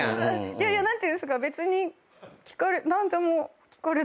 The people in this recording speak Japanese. いやいや何ていうんですか別に何でも聞かれたら。